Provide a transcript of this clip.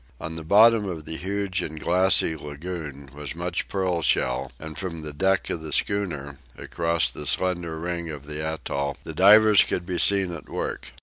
On the bottom of the huge and glassy lagoon was much pearl shell, and from the deck of the schooner, across the slender ring of the atoll, the divers could be seen at work.